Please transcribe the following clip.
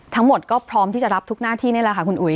ทั้งหมดก็พร้อมที่จะรับทุกหน้าที่นี่แหละค่ะคุณอุ๋